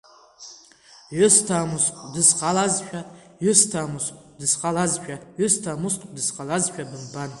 Ҩысҭаа мусхәк дысхалазшәа, ҩысҭаа мусхәк дысхалазшәа, ҩысҭаа мусхәк дысхалазшәа бымбан…